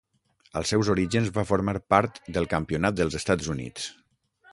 Als seus orígens va formar part del campionat dels Estats Units.